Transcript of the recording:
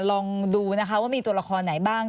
ลองดูนะคะว่ามีตัวละครไหนบ้าง